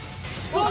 そう！